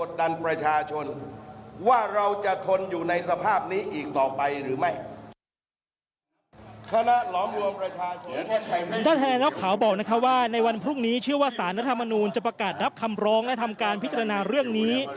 ทนายเล่าข่าวบอกว่าในวันพรุ่งนี้เชื่อว่าสารรัฐมนูลจะประกาศรับคำร้องและทำการพิจารณาเรื่องนี้